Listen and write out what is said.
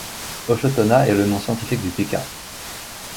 Ochotona est le nom scientifique du pika.